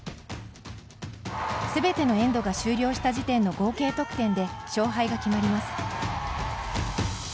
すべてのエンドが終了した時点の合計得点で勝敗が決まります。